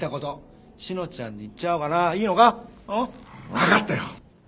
わかったよ！